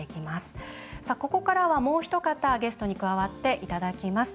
さあここからはもう一方ゲストに加わっていただきます。